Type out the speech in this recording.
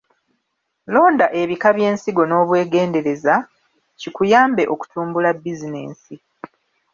Londa ebika by’ensigo n’obwegendereza kikuyambe okutumbula bizinensi.